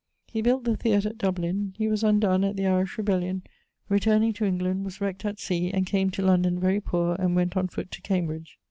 He built the theatre at Dublin. He was undon at the Irish rebellion; returning to England, was wreckt at sea, and came to London very poor and went on foot to Cambridge.